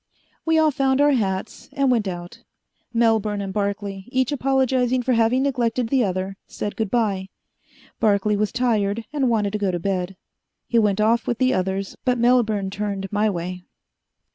We all found our hats and went out. Melbourne and Barclay, each apologizing for having neglected the other, said good bye. Barclay was tired and wanted to go to bed. He went off with the others, but Melbourne turned my way.